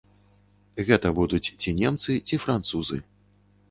Гэта будуць, ці немцы, ці французы.